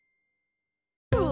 うわ！